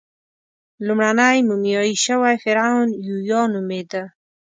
لومړنی مومیایي شوی فرعون یویا نومېده.